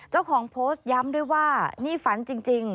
เจ้าของโพสต์ย้ำด้วยว่านี่ฝันจริง